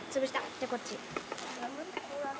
じゃあこっち。